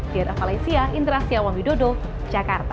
di rfa malaysia indra siawambi dodo jakarta